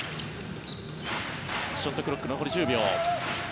ショットクロック残り１０秒。